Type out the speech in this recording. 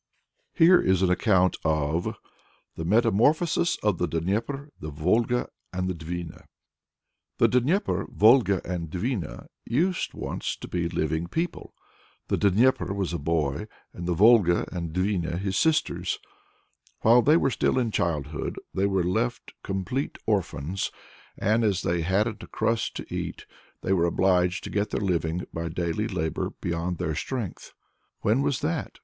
Here is an account of THE METAMORPHOSIS OF THE DNIEPER, THE VOLGA, AND THE DVINA. The Dnieper, Volga, and Dvina used once to be living people. The Dnieper was a boy, and the Volga and Dvina his sisters. While they were still in childhood they were left complete orphans, and, as they hadn't a crust to eat, they were obliged to get their living by daily labor beyond their strength. "When was that?"